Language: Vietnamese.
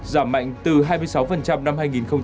giảm mạnh từ hai mươi sáu năm hai nghìn một mươi